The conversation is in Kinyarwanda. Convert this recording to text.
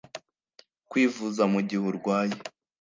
kwivuza mu gihe urwaye